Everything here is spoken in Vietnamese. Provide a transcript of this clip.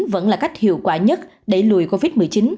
vẫn là cách hiệu quả nhất để lùi covid một mươi chín